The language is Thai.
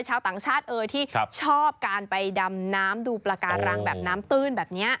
ชาวต่างชาติเอ่ยที่ชอบการไปดำน้ำดูปลาการังแบบน้ำตื้นแบบนี้